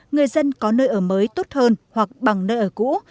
người dân có nơi ở mới tốt hơn hoặc bằng nơi ở cũ